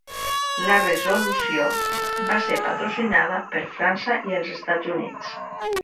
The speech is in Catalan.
La resolució va ser patrocinada per França i els Estats Units.